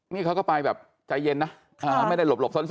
นี่เขาก็ไปแบบใจเย็นนะไม่ได้หลบซ่อน